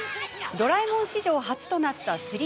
「ドラえもん」史上初となった